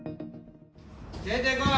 出てこい！